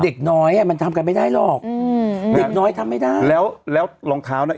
เด็กน้อยอ่ะมันทำกันไม่ได้หรอกอืมเด็กน้อยทำไม่ได้แล้วแล้วรองเท้าน่ะ